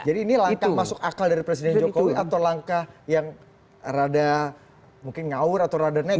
jadi ini langkah masuk akal dari presiden jokowi atau langkah yang rada mungkin ngaur atau rada nekat